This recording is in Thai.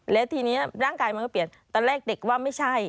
และทีนี้ร่างกายมันก็เปลี่ยนตอนแรกเด็กว่าไม่ใช่